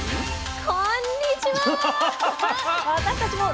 こんにちは。